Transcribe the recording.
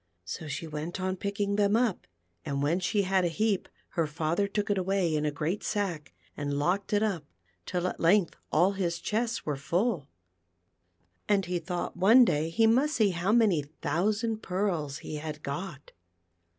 So she went on picking them up, and when she had a heap her father took it away in a great sack, and locked it up, till at length all his chests were full, and he thought one day he must see how many thou sand pearls he had got.